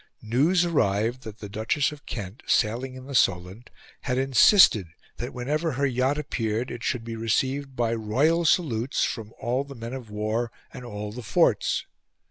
News arrived that the Duchess of Kent, sailing in the Solent, had insisted that whenever her yacht appeared it should be received by royal salutes from all the men of war and all the forts.